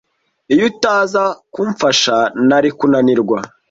Iyo utaza kumfasha, nari kunanirwa.